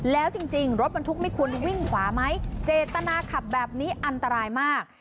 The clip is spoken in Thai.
แล้วจริงรถบรรทุกไม่ควรวิ่งขวาไหมเจตนาขับแบบนี้อันตรายมาก